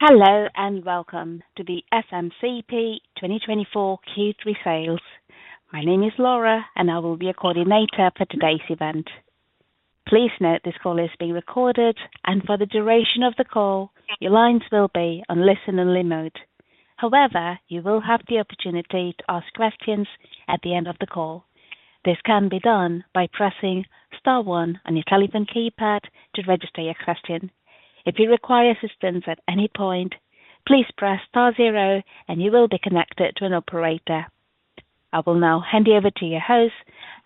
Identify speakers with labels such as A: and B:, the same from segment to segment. A: Hello, and welcome to the SMCP 2024 Q3 Sales. My name is Laura, and I will be your coordinator for today's event. Please note, this call is being recorded, and for the duration of the call, your lines will be on listen-only mode. However, you will have the opportunity to ask questions at the end of the call. This can be done by pressing star one on your telephone keypad to register your question. If you require assistance at any point, please press star zero, and you will be connected to an operator. I will now hand you over to your host,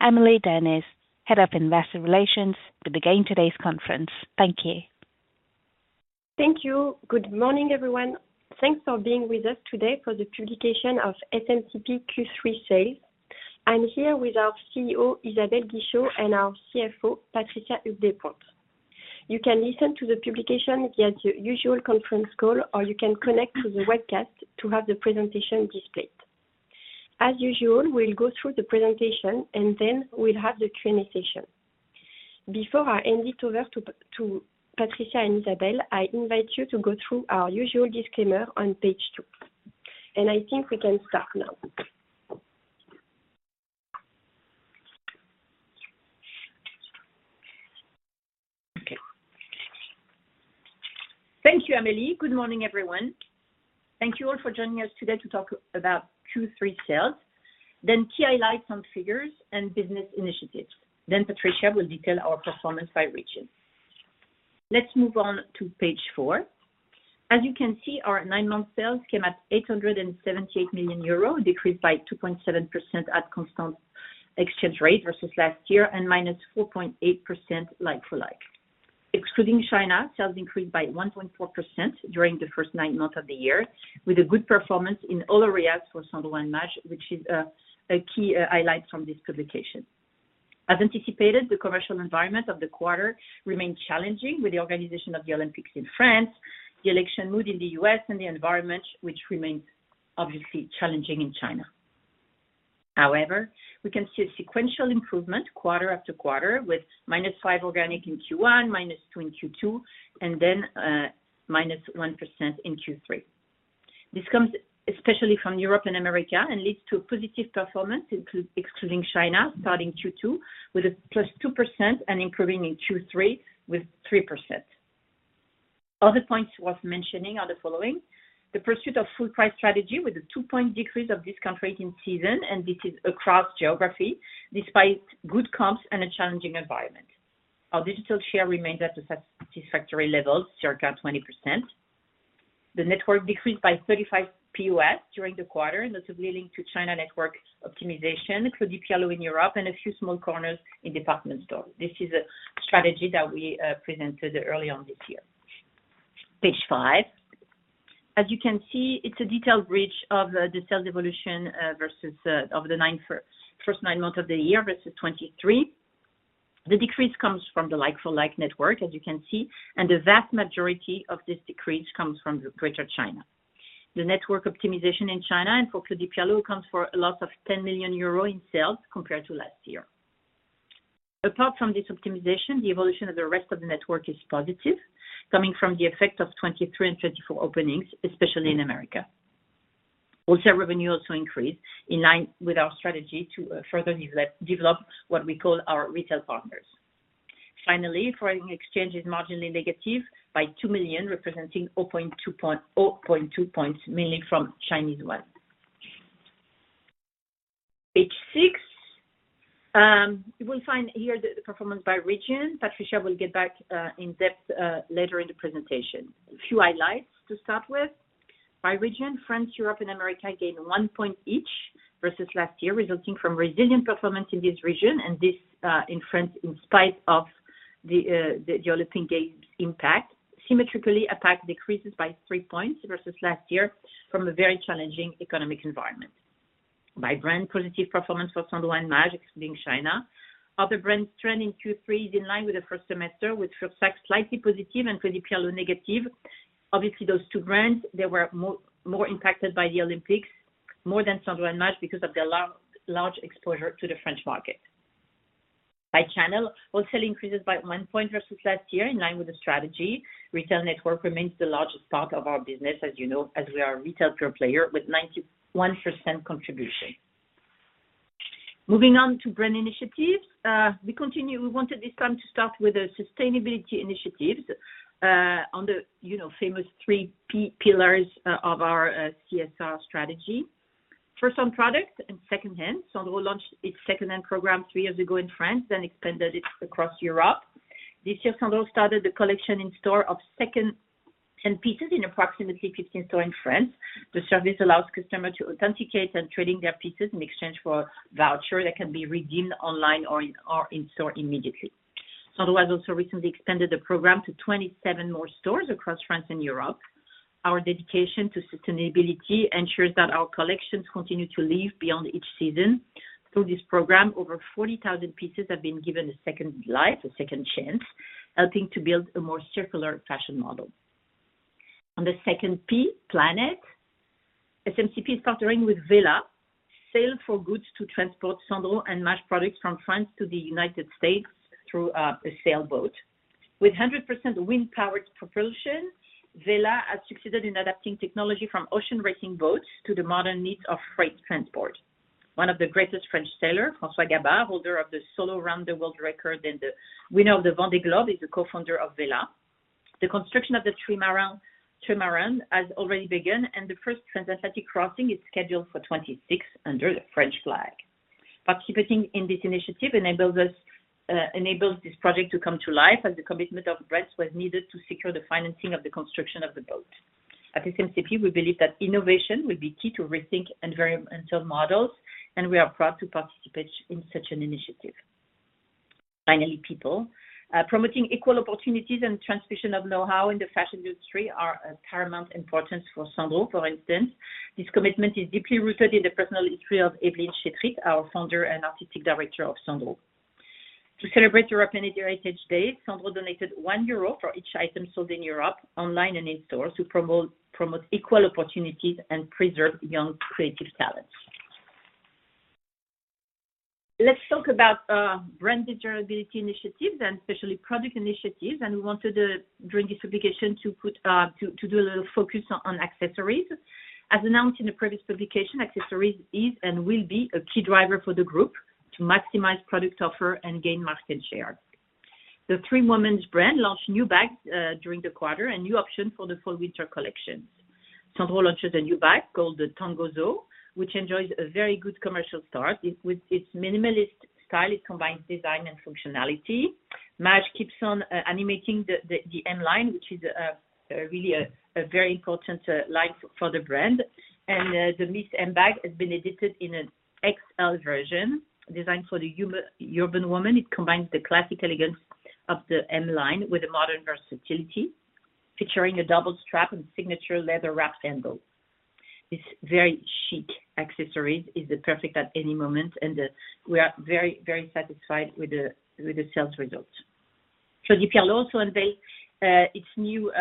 A: Amélie Dernis, Head of Investor Relations, to begin today's conference. Thank you.
B: Thank you. Good morning, everyone. Thanks for being with us today for the publication of SMCP Q3 sales. I'm here with our CEO, Isabelle Guichot, and our CFO, Patricia Huyghues Despointes. You can listen to the publication via the usual conference call, or you can connect to the webcast to have the presentation displayed. As usual, we'll go through the presentation, and then we'll have the Q&A session. Before I hand it over to Patricia and Isabelle, I invite you to go through our usual disclaimer on page two. I think we can start now.
C: Okay. Thank you, Amélie. Good morning, everyone. Thank you all for joining us today to talk about Q3 sales, then key highlights on figures and business initiatives. Then Patricia will detail our performance by region. Let's move on to page four. As you can see, our nine-month sales came at 878 million euro, decreased by 2.7% at constant exchange rate versus last year, and -4.8% like-for-like. Excluding China, sales increased by 1.4% during the first nine months of the year, with a good performance in all areas for Sandro and Maje, which is a key highlight from this publication. As anticipated, the commercial environment of the quarter remained challenging with the organization of the Olympics in France, the election mood in the US, and the environment, which remains obviously challenging in China. However, we can see a sequential improvement quarter after quarter, with -5 organic in Q1, -2 in Q2, and then -1% in Q3. This comes especially from Europe and America and leads to a positive performance, excluding China, starting Q2, with a +2% and improving in Q3 with 3%. Other points worth mentioning are the following: The pursuit of full price strategy with a two-point decrease of discount rate in season, and this is across geography, despite good comps and a challenging environment. Our digital share remains at a satisfactory level, circa 20%. The network decreased by 35 POS during the quarter, and that's leading to China network optimization, including closures in Europe and a few small corners in department store. This is a strategy that we presented early on this year. Page five. As you can see, it's a detailed bridge of the sales evolution versus over the first nine months of the year versus 2023. The decrease comes from the like-for-like network, as you can see, and the vast majority of this decrease comes from Greater China. The network optimization in China and for Claudie Pierlot accounts for a loss of 10 million euro in sales compared to last year. Apart from this optimization, the evolution of the rest of the network is positive, coming from the effect of 2023 and 2024 openings, especially in America. Wholesale revenue also increased in line with our strategy to further develop what we call our retail partners. Finally, foreign exchange is marginally negative by 2 million, representing 0.2 points, mainly from Chinese yuan. Page six. You will find here the performance by region. Patricia will get back in depth later in the presentation. A few highlights to start with. By region, France, Europe and America gained one point each versus last year, resulting from resilient performance in this region, and this in France, in spite of the Olympic Games impact. Symmetrically, APAC decreases by three points versus last year from a very challenging economic environment. By brand, positive performance for Sandro and Maje, excluding China. Other brands, trend in Q3 is in line with the first semester, with Fursac slightly positive and Claudie Pierlot negative. Obviously, those two brands, they were more impacted by the Olympics, more than Sandro and Maje because of their large exposure to the French market. By channel, wholesale increases by 1 point versus last year, in line with the strategy. Retail network remains the largest part of our business, as you know, as we are a retail pure player with 91% contribution. Moving on to brand initiatives. We wanted this time to start with a sustainability initiatives, on the, you know, famous three pillars, of our CSR strategy. First, on product and secondhand, Sandro launched its secondhand program three years ago in France, then expanded it across Europe. This year, Sandro started the collection in store of secondhand pieces in approximately 15 stores in France. The service allows customers to authenticate and trade their pieces in exchange for a voucher that can be redeemed online or in, or in-store immediately. Sandro has also recently extended the program to 27 more stores across France and Europe. Our dedication to sustainability ensures that our collections continue to live beyond each season. Through this program, over 40,000 pieces have been given a second life, a second chance, helping to build a more circular fashion model. On the second P, planet. SMCP is partnering with Vela Sail for Goods to transport Sandro and Maje products from France to the United States through a sailboat. With 100% wind powered propulsion, Vela has succeeded in adapting technology from ocean racing boats to the modern needs of freight transport. One of the greatest French sailor, François Gabart, holder of the solo round-the-world record, and the winner of the Vendée Globe, is the co-founder of Vela. The construction of the trimaran has already begun, and the first transatlantic crossing is scheduled for 2026 under the French flag. Participating in this initiative enables us, enables this project to come to life, as the commitment of Brand was needed to secure the financing of the construction of the boat. At SMCP, we believe that innovation will be key to rethink and vary until models, and we are proud to participate in such an initiative. Finally, people. Promoting equal opportunities and transmission of know-how in the fashion industry are of paramount importance for Sandro. For instance, this commitment is deeply rooted in the personal history of Evelyne Chetrite, our founder and artistic director of Sandro. To celebrate European Heritage Day, Sandro donated 1 euro for each item sold in Europe, online and in-store, to promote equal opportunities and preserve young creative talents. Let's talk about brand durability initiatives and especially product initiatives, and we wanted to, during this publication, to do a little focus on accessories. As announced in the previous publication, accessories is and will be a key driver for the group to maximize product offer and gain market share. The three women's brand launched new bags during the quarter, and new options for the Fall/Winter collection. Sandro launches a new bag called the Tangoso, which enjoys a very good commercial start. It, with its minimalist style, combines design and functionality. Maje keeps on animating the M line, which is really a very important line for the brand. And the Miss M bag has been edited in an XL version. Designed for the boho-urban woman, it combines the classic elegance of the M Line with a modern versatility, featuring a double strap and signature leather-wrapped handle. This very chic accessory is the perfect at any moment, and we are very satisfied with the sales results. You can also unveil its new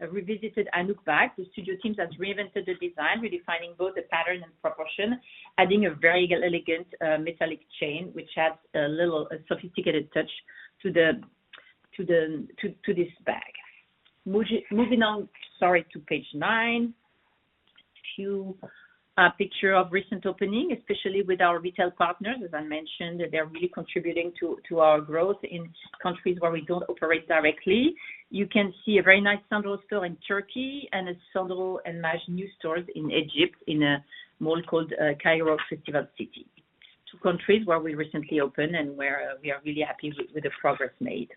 C: revisited Anouk bag. The studio teams have reinvented the design, redefining both the pattern and proportion, adding a very elegant metallic chain, which adds a little sophisticated touch to this bag. Moving on, sorry, to page nine. A few pictures of recent openings, especially with our retail partners. As I mentioned, they're really contributing to our growth in countries where we don't operate directly. You can see a very nice Sandro store in Turkey, and a Sandro and Maje new stores in Egypt, in a mall called Cairo Festival City. Two countries where we recently opened and where we are really happy with the progress made.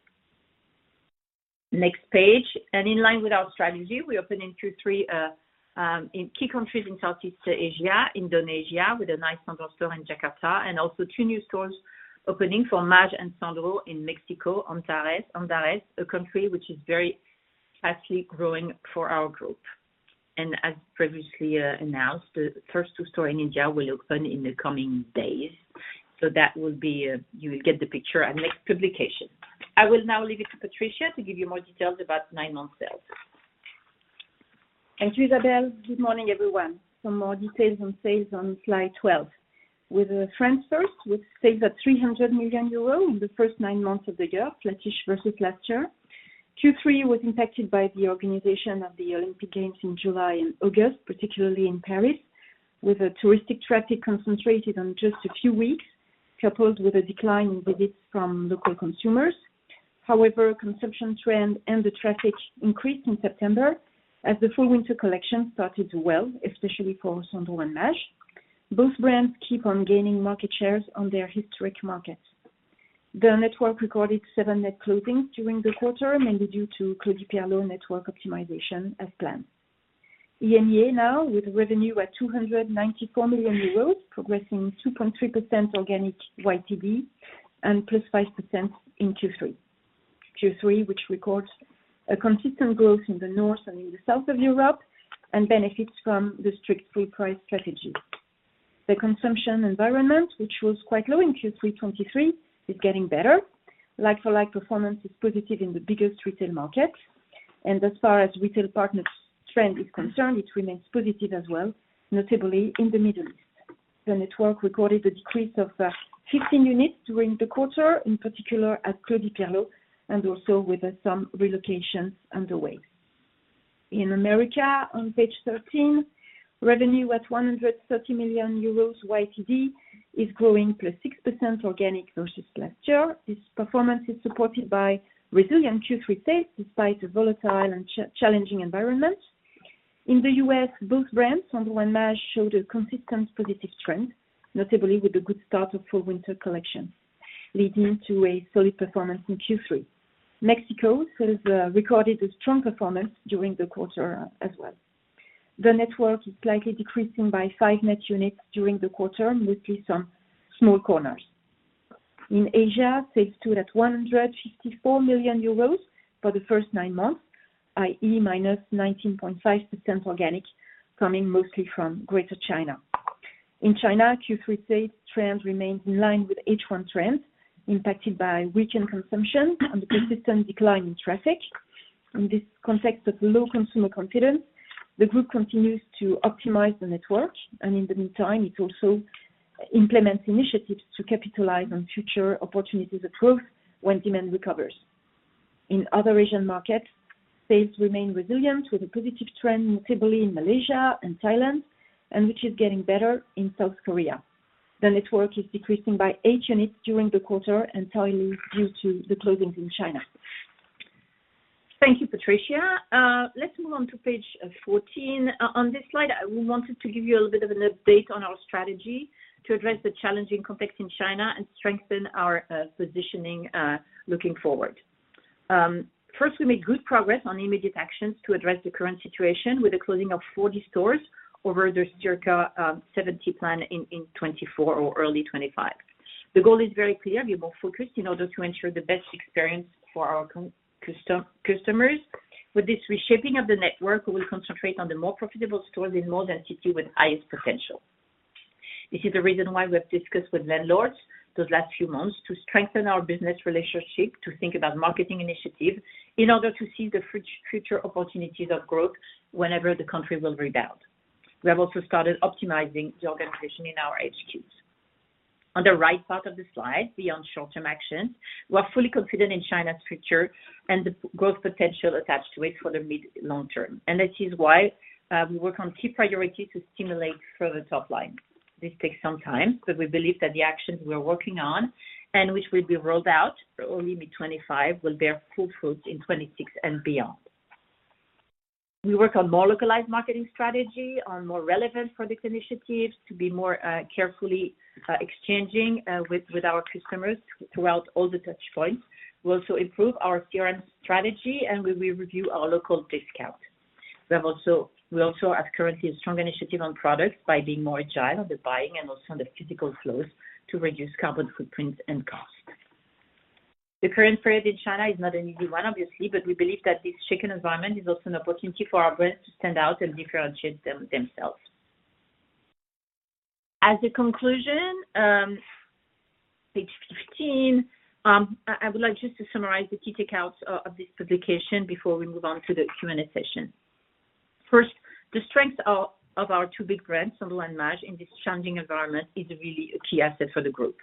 C: Next page, and in line with our strategy, we opened in to three, in key countries in Southeast Asia, Indonesia, with a nice Sandro store in Jakarta, and also two new stores opening for Maje and Sandro in Mexico, Antara, a country which is very fastly growing for our group. And as previously announced, the first two store in India will open in the coming days. So that will be. You will get the picture at next publication. I will now leave it to Patricia to give you more details about nine-month sales.
D: Thank you, Isabelle. Good morning, everyone. Some more details on sales on slide 12. With France first, with sales at 300 million euros in the first nine months of the year, flattish versus last year. Q3 was impacted by the organization of the Olympic Games in July and August, particularly in Paris, with a touristic traffic concentrated on just a few weeks, coupled with a decline in visits from local consumers. However, consumption trend and the traffic increased in September, as the fall/winter collection started well, especially for Sandro and Maje. Both brands keep on gaining market shares on their historic markets. The network recorded seven net closings during the quarter, mainly due to Claudie Pierlot network optimization as planned. EMEA now, with revenue at 294 million euros, progressing 2.3% organic YTD and +5% in Q3. Q3, which records consistent growth in the north and in the south of Europe, and benefits from the strict full price strategy. The consumption environment, which was quite low in Q3 2023, is getting better. Like-for-like performance is positive in the biggest retail markets, and as far as retail partners trend is concerned, it remains positive as well, notably in the Middle East. The network recorded a decrease of 15 units during the quarter, in particular at Claudie Pierlot, and also with some relocations underway. In America, on page 13, revenue at 130 million euros YTD is growing +6% organic versus last year. This performance is supported by resilient Q3 sales, despite a volatile and challenging environment. In the US, both brands, Sandro and Maje, showed a consistent positive trend, notably with the good start of fall/winter collection, leading to a solid performance in Q3. Mexico has recorded a strong performance during the quarter as well. The network is slightly decreasing by five net units during the quarter, mostly some small corners. In Asia, sales stood at 154 million euros for the first nine months, i.e. minus 19.5% organic, coming mostly from Greater China. In China, Q3 sales trend remains in line with H1 trends, impacted by weakened consumption and the persistent decline in traffic. In this context of low consumer confidence, the group continues to optimize the network, and in the meantime, it also implements initiatives to capitalize on future opportunities of growth when demand recovers. In other Asian markets, sales remain resilient with a positive trend, notably in Malaysia and Thailand, and which is getting better in South Korea. The network is decreasing by eight units during the quarter, entirely due to the closings in China.
C: Thank you, Patricia. Let's move on to page 14. On this slide, we wanted to give you a little bit of an update on our strategy to address the challenging context in China and strengthen our positioning looking forward. First, we made good progress on immediate actions to address the current situation with the closing of 40 stores over the circa 70 plan in 2024 or early 2025. The goal is very clear: be more focused in order to ensure the best experience for our customers. With this reshaping of the network, we will concentrate on the more profitable stores in more than 60 with highest potential. This is the reason why we have discussed with landlords those last few months to strengthen our business relationship, to think about marketing initiatives in order to see the future opportunities of growth whenever the country will rebound. We have also started optimizing the organization in our HQs. On the right part of the slide, beyond short-term actions, we are fully confident in China's future and the growth potential attached to it for the mid, long term. This is why we work on key priorities to stimulate further top line. This takes some time, but we believe that the actions we are working on, and which will be rolled out early mid-2025, will bear full fruits in 2026 and beyond. We work on more localized marketing strategy, on more relevant product initiatives to be more carefully exchanging with our customers throughout all the touch points. We also improve our CRM strategy, and we will review our local discount. We also have currently a strong initiative on products by being more agile on the buying and also on the physical flows to reduce carbon footprint and cost. The current period in China is not an easy one, obviously, but we believe that this shaken environment is also an opportunity for our brands to stand out and differentiate themselves. As a conclusion, page fifteen, I would like just to summarize the key takeaways of this publication before we move on to the Q&A session. First, the strength of our two big brands, Sandro and Maje, in this challenging environment, is really a key asset for the group.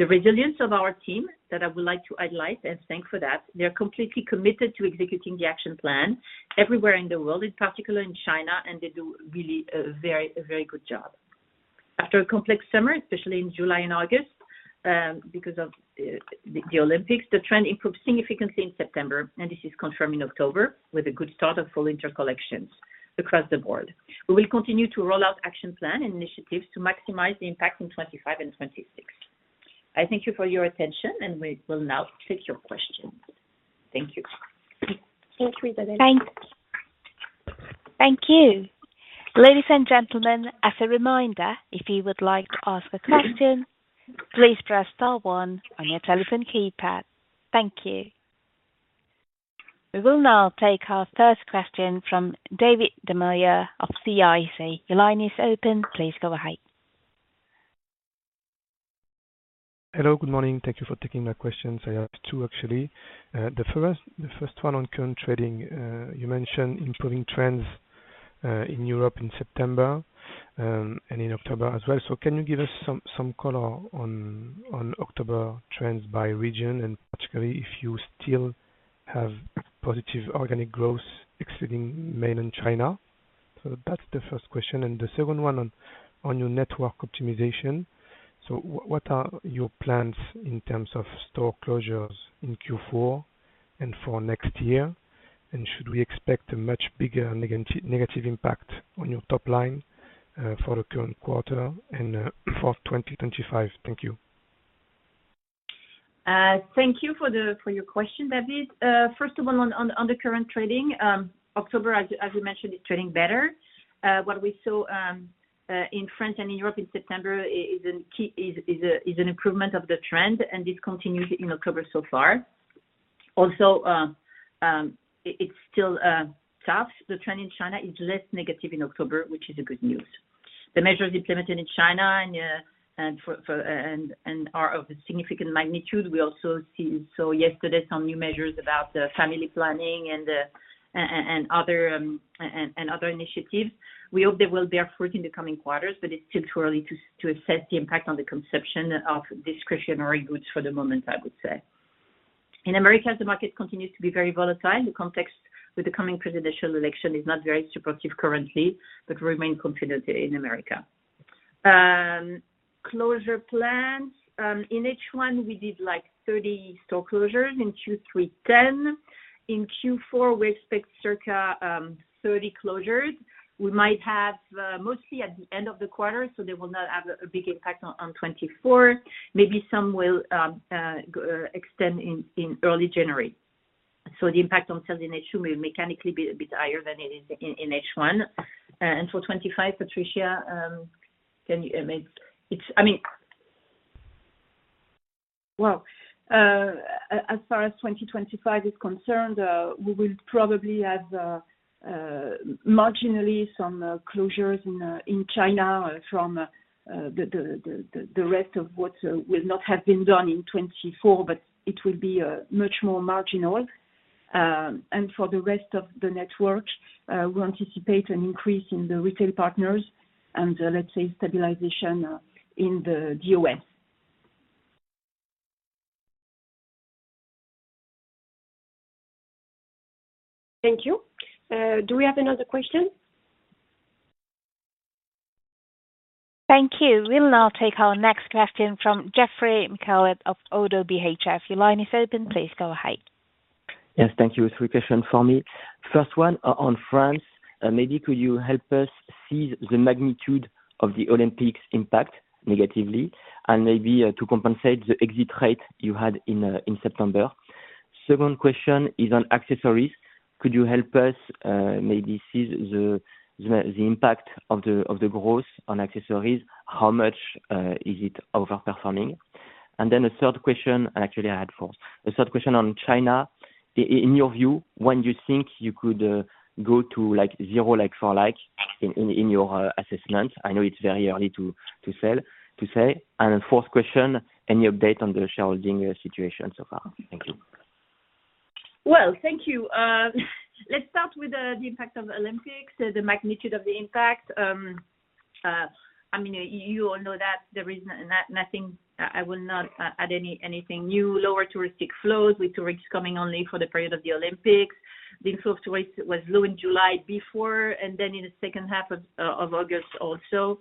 C: The resilience of our team, that I would like to highlight and thank for that, they are completely committed to executing the action plan everywhere in the world, in particular in China, and they do really a very good job. After a complex summer, especially in July and August, because of the Olympics, the trend improved significantly in September, and this is confirmed in October, with a good start of Fall/Winter collections across the board. We will continue to roll out action plan and initiatives to maximize the impact in 2025 and 2026. I thank you for your attention, and we will now take your questions. Thank you.
B: Thanks, Isabelle.
A: Thank you. Ladies and gentlemen, as a reminder, if you would like to ask a question, please press star one on your telephone keypad. Thank you. We will now take our first question from David Da Maia of CIC. Your line is open. Please go ahead.
E: Hello, good morning. Thank you for taking my questions. I have two, actually. The first one on current trading, you mentioned improving trends in Europe in September and in October as well. So can you give us some color on October trends by region, and particularly if you still have positive organic growth excluding mainland China? So that's the first question, and the second one on your network optimization. What are your plans in terms of store closures in Q4 and for next year? And should we expect a much bigger negative impact on your top line for the current quarter and for 2025? Thank you.
C: Thank you for the, for your question, David. First of all, on the current trading, October, as you mentioned, is trading better. What we saw in France and in Europe in September is an improvement of the trend, and this continues in October so far. Also, it's still tough. The trend in China is less negative in October, which is a good news. The measures implemented in China and are of a significant magnitude. We also saw yesterday some new measures about family planning and other initiatives. We hope they will bear fruit in the coming quarters, but it's too early to assess the impact on the consumption of discretionary goods for the moment, I would say. In America, the market continues to be very volatile. The context with the coming presidential election is not very supportive currently, but remain confident in America. Closure plans. In H1, we did, like, 30 store closures in Q3, 10. In Q4, we expect circa 30 closures. We might have mostly at the end of the quarter, so they will not have a big impact on 2024. Maybe some will extend in early January. So the impact on sales in H2 may mechanically be a bit higher than it is in H1. And for 2025, Patricia, can you...
D: Well, as far as 2025 is concerned, we will probably have marginally some closures in China from the rest of what will not have been done in 2024, but it will be much more marginal, and for the rest of the network, we anticipate an increase in the retail partners and, let's say, stabilization in the US.
B: Thank you. Do we have another question?
A: Thank you. We'll now take our next question from Geoffroy Michalet of Oddo BHF. Your line is open. Please go ahead.
F: Yes, thank you. Three questions for me. First one, on France, maybe could you help us see the magnitude of the Olympics impact negatively, and maybe to compensate the exit rate you had in September? Second question is on accessories. Could you help us, maybe see the impact of the growth on accessories? How much is it overperforming? And then the third question, actually I had four. The third question on China. In your view, when you think you could go to zero like-for-like in your assessment? I know it's very early to tell, to say. And fourth question, any update on the shareholding situation so far? Thank you.
C: Thank you. Let's start with the impact of the Olympics, the magnitude of the impact. I mean, you all know that there is nothing. I will not add anything new. Lower touristic flows, with tourists coming only for the period of the Olympics. The flow of tourists was low in July before, and then in the second half of August also.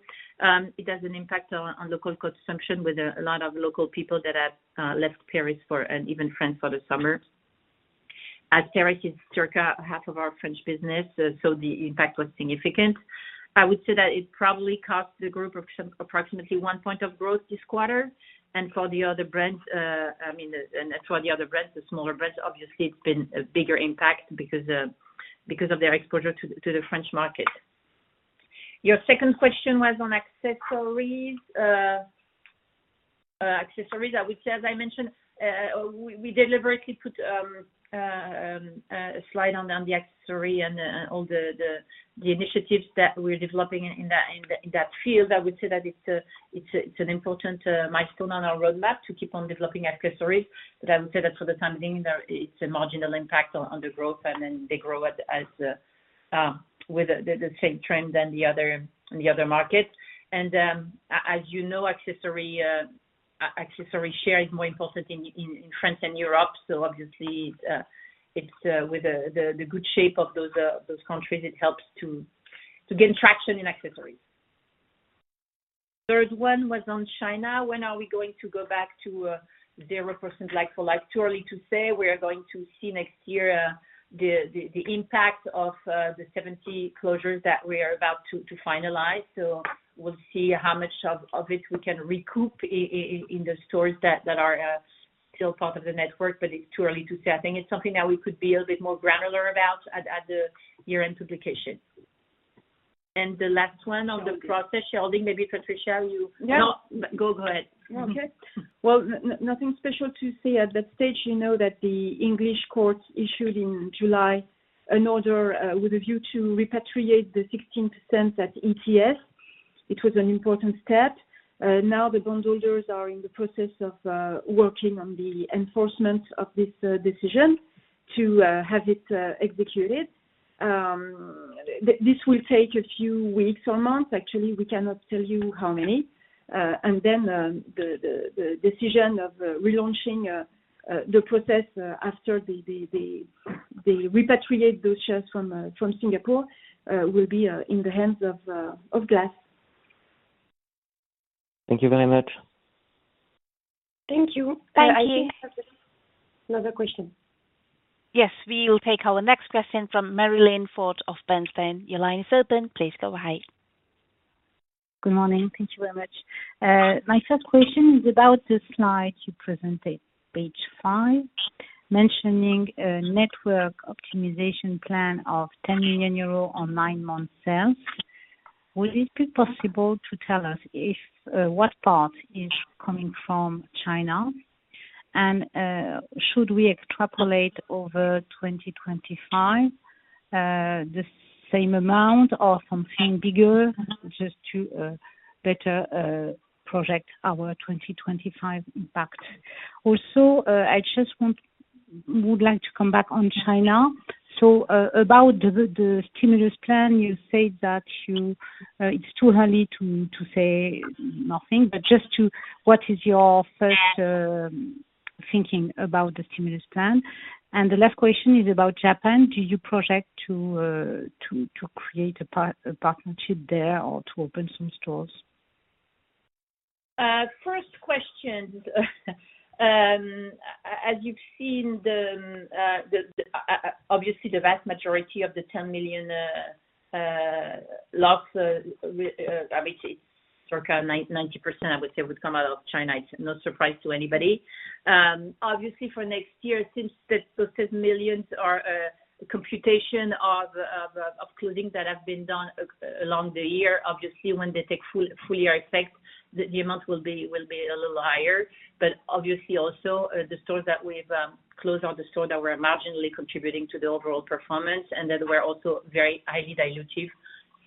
C: It has an impact on local consumption with a lot of local people that have left Paris, and even France for the summer. As Paris is circa half of our French business, so the impact was significant. I would say that it probably cost the group approximately one point of growth this quarter. And for the other brands, I mean, as for the other brands, the smaller brands, obviously it's been a bigger impact because of their exposure to the French market. Your second question was on accessories. Accessories, I would say, as I mentioned, we deliberately put a slide on the accessory and all the initiatives that we're developing in that field. I would say that it's an important milestone on our roadmap to keep on developing accessories. But I would say that for the time being, it's a marginal impact on the growth, and then they grow at as with the same trend than the other markets. And, as you know, accessory share is more important in France and Europe. So obviously, it's with the good shape of those countries, it helps to gain traction in accessories. Third one was on China. When are we going to go back to 0% like for like? Too early to say. We are going to see next year the impact of the 70 closures that we are about to finalize. So we'll see how much of this we can recoup in the stores that are still part of the network, but it's too early to say. I think it's something that we could be a bit more granular about at the year-end publication. And the last one on the process holding, maybe, Patricia, you-
D: No.
C: Go, go ahead.
D: Okay. Well, nothing special to say at that stage. You know, that the English courts issued in July an order with a view to repatriate the 16% at ETS. It was an important step. Now the bondholders are in the process of working on the enforcement of this decision to have it executed. This will take a few weeks or months, actually, we cannot tell you how many. And then the decision of relaunching the process after the repatriate those shares from Singapore will be in the hands of GLAS. Thank you very much.
B: Thank you.
A: Thank you.
D: I think another question.
A: Yes, we will take our next question from Marie-Line Fort of Bernstein. Your line is open. Please go ahead.
G: Good morning. Thank you very much. My first question is about the slide you presented, page five, mentioning a network optimization plan of 10 million euro on nine-month sales. Would it be possible to tell us if what part is coming from China? And should we extrapolate over 2025 the same amount or something bigger, just to better project our 2025 impact? Also, I just want... would like to come back on China. So about the stimulus plan, you said that you it's too early to say nothing, but just to what is your first thinking about the stimulus plan? And the last question is about Japan. Do you project to create a partnership there or to open some stores?
C: As you've seen, obviously, the vast majority of the 10 million loss, circa 90%, I would say, would come out of China. It's no surprise to anybody. Obviously, for next year, since those millions are a computation of closings that have been done along the year. Obviously, when they take full year effect, the amount will be a little higher. Obviously, also, the stores that we've closed are the stores that were marginally contributing to the overall performance, and that were also very highly dilutive.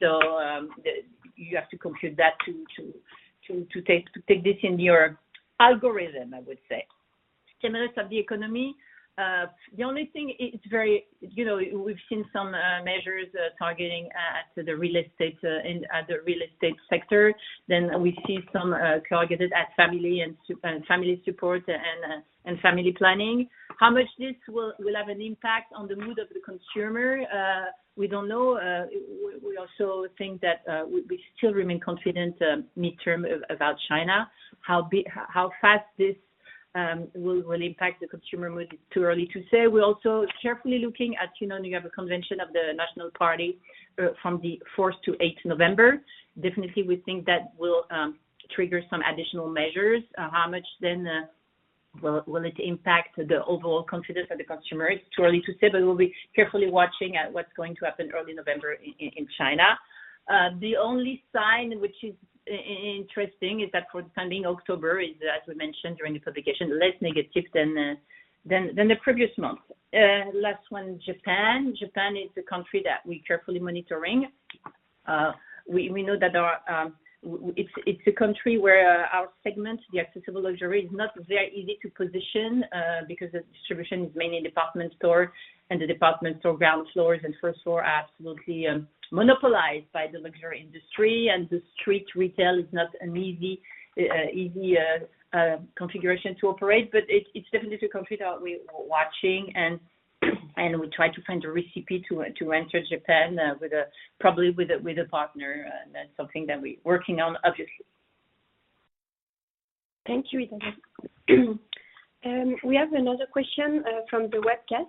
C: You have to compute that to take this in your algorithm, I would say. Stimulus of the economy, the only thing it's very, you know, we've seen some measures targeting to the real estate and the real estate sector. Then we see some targeted at family and family support and family planning. How much this will have an impact on the mood of the consumer? We don't know. We also think that we still remain confident midterm about China. How fast this will impact the consumer mood, it's too early to say. We're also carefully looking at, you know, you have a convention of the National Party from the fourth to eighth November. Definitely, we think that will trigger some additional measures. How much then will it impact the overall confidence of the consumer? It's too early to say, but we'll be carefully watching at what's going to happen early November in China. The only sign which is interesting is that for the end of October, as we mentioned during the publication, is less negative than the previous month. Last one, Japan. Japan is a country that we're carefully monitoring. We know that there are. It's a country where our segment, the accessible luxury, is not very easy to position because the distribution is mainly department store. The department store ground floors and first floor are absolutely monopolized by the luxury industry, and the street retail is not an easy configuration to operate. But it's definitely a country that we're watching, and we try to find a recipe to enter Japan, probably with a partner. That's something that we're working on, obviously.
B: Thank you, Isabelle. We have another question from the webcast,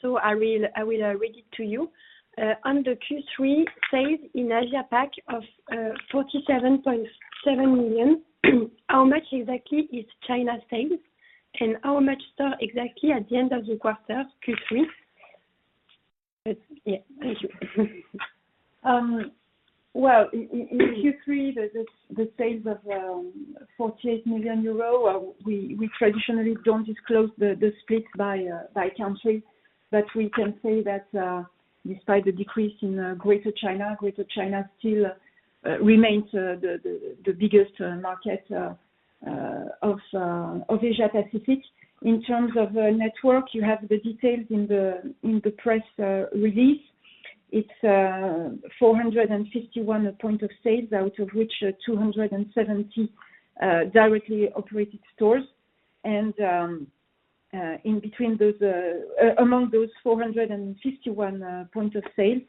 B: so I will read it to you. On the Q3 sales in Asia Pac of 47.7 million, how much exactly is China sales? And how many stores exactly at the end of the quarter, Q3? Thank you.
D: In Q3, the sales of 48 million euros, we traditionally don't disclose the split by country. But we can say that, despite the decrease in Greater China, Greater China still remains the biggest market of Asia Pacific. In terms of network, you have the details in the press release. It's 451 points of sale, out of which are 270 directly operated stores. Among those 451 points of sale,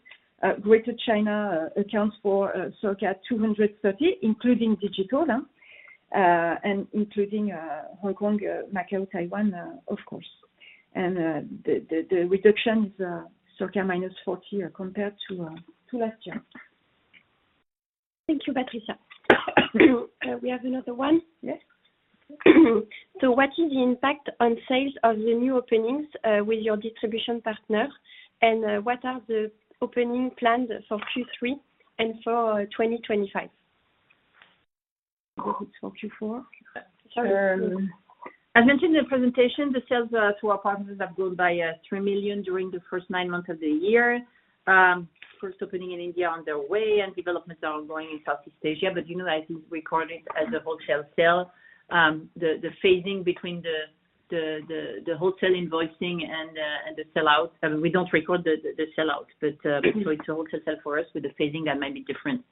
D: Greater China accounts for circa 230, including digital, and including Hong Kong, Macau, Taiwan, of course. The reduction is circa minus 40, compared to last year.
B: Thank you, Patricia. We have another one.
D: Yes.
B: What is the impact on sales of the new openings with your distribution partner? And what are the opening plans for Q3 and for 2025?
C: It's for Q4.
B: Sorry.
C: I mentioned in the presentation, the sales to our partners have grown by 3 million during the first nine months of the year. First opening in India on their way, and developments are ongoing in Southeast Asia. But you know, I think record it as a wholesale sale. The phasing between the wholesale invoicing and the sellout. I mean, we don't record the sellout, but so it's a wholesale for us with the phasing that might be different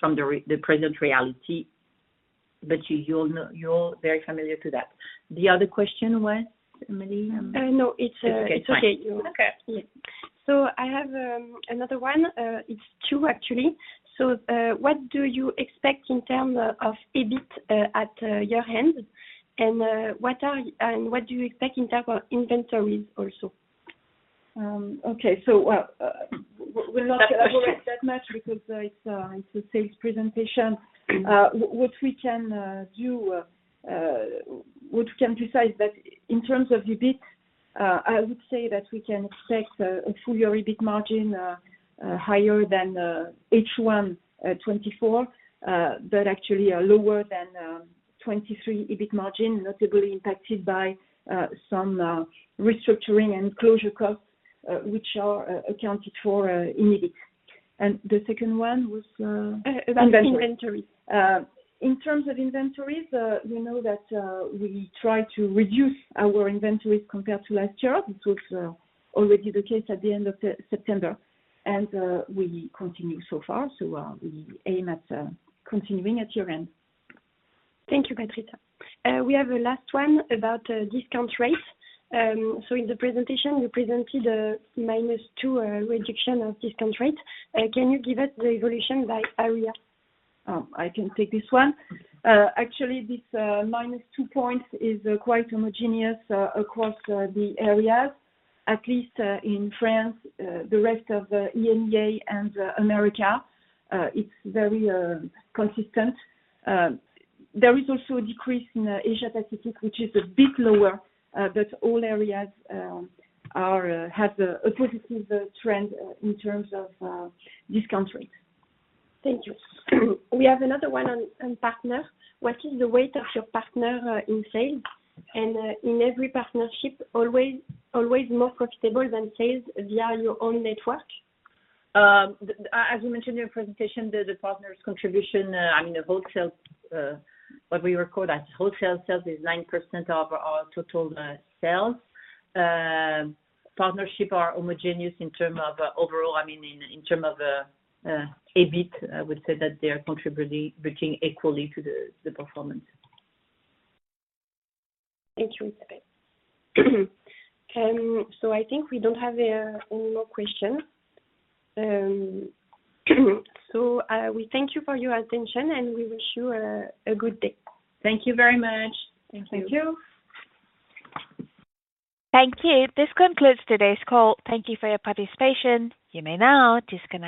C: from the present reality. But you're very familiar to that. The other question was, Amélie?
B: No, it's
C: It's okay.
B: It's okay.
C: Okay.
B: Yeah. So I have another one. It's two, actually. So what do you expect in term of EBIT at year-end? And what do you expect in term of inventories also?
D: Okay. So, well, we'll not elaborate that much because it's a sales presentation. What we can specify is that in terms of EBIT, I would say that we can expect a full-year EBIT margin higher than H1 2024. But actually, lower than 2023 EBIT margin, notably impacted by some restructuring and closure costs, which are accounted for in EBIT. And the second one was,
B: Uh, inventory.
D: In terms of inventories, we know that we try to reduce our inventories compared to last year. This was already the case at the end of September, and we continue so far. So, we aim at continuing at year-end.
B: Thank you, Patricia. We have a last one about discount rates. So in the presentation, you presented a minus two reduction of discount rate. Can you give us the evolution by area?
D: I can take this one. Actually, this minus two points is quite homogeneous across the areas, at least in France, the rest of EMEA and America. It's very consistent. There is also a decrease in Asia Pacific, which is a bit lower, but all areas have a positive trend in terms of discount rates.
B: Thank you. We have another one on partner. What is the weight of your partner in sales? And in every partnership, always more profitable than sales via your own network?
C: As we mentioned in the presentation, the partner's contribution, I mean, the wholesale, what we record as wholesale sales, is 9% of our total sales. Partnership are homogeneous in terms of overall, I mean, in terms of EBIT, I would say that they are contributing equally to the performance.
B: Thank you. So I think we don't have any more questions. So we thank you for your attention, and we wish you a good day.
C: Thank you very much.
D: Thank you.
B: Thank you.
A: Thank you. This concludes today's call. Thank you for your participation. You may now disconnect.